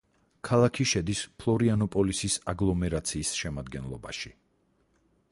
ქალაქი შედის ფლორიანოპოლისის აგლომერაციის შემადგენლობაში.